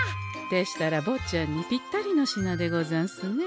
でしたらぼっちゃんにぴったりの品でござんすね。